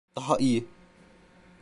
Daha iyi.